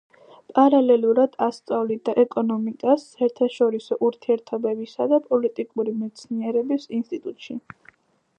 პარალელურად ასწავლიდა ეკონომიკას საერთაშორისო ურთიერთობებისა და პოლიტიკური მეცნიერებების ინსტიტუტში.